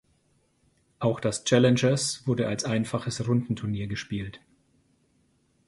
Auch das Challengers wurde als einfaches Rundenturnier gespielt.